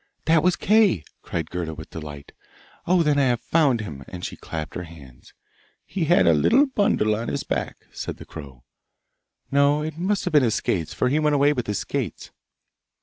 'That was Kay!' cried Gerda with delight. 'Oh, then I have found him!' and she clapped her hands. 'He had a little bundle on his back,' said the crow. 'No, it must have been his skates, for he went away with his skates!